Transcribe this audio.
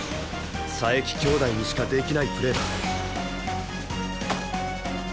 佐伯兄弟にしかできないプレーだ。